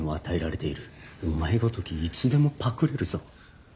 お前ごときいつでもパクれるぞ。